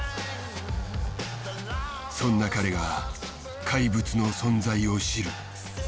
そんな彼が怪物の存在を知る。